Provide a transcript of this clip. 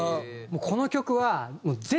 この曲は全